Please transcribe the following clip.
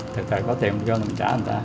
thời thời có tiền mình cho rồi mình trả người ta